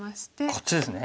こっちですね。